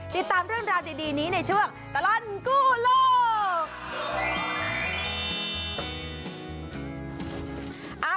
ติดตามเรื่องราวดีนี้ในช่วงตลอดกู้โลก